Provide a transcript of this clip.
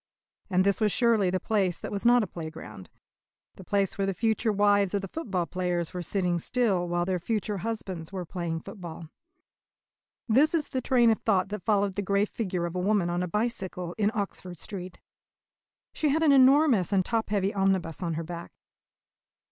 And this was surely the place that was not a playground, the place where the future wives of the football players were sitting still while their future husbands were playing football. This is the train of thought that followed the grey figure of a woman on a bicycle in Oxford Street. She had an enormous and top heavy omnibus at her back.